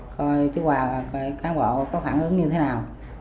coi chú hòa coi cán bộ có phản ứng như thế nào